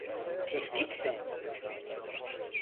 Tehdit mi?